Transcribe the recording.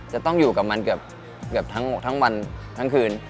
จะต้องอยู่กับมันเกือบทั้งวันทั้งคืน